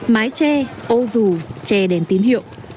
mái che ô rù che đèn tín hiệu